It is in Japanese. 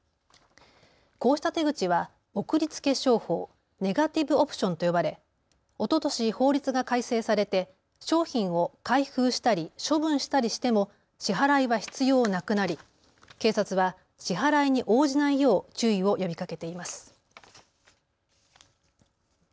こうした手口は送りつけ商法・ネガティブ・オプションと呼ばれおととし法律が改正されて商品を開封したり処分したりしても支払いは必要なくなり警察は支払いに応じないよう注意を呼びかけています。